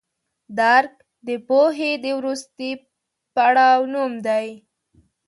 درک د پوهې د وروستي پړاو نوم دی.